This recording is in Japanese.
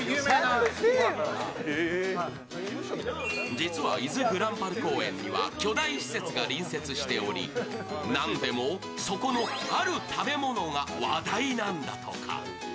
実は、伊豆ぐらんぱる公園には巨大施設が隣接しており、何でもそこのある食べ物が話題なんだとか。